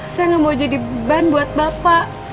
saya nggak mau jadi beban buat bapak